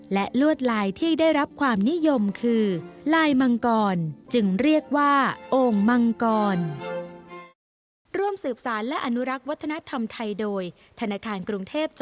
และลวดลายที่ได้รับความนิยมคือลายมังกรจึงเรียกว่าโอ่งมังกร